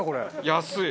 安い！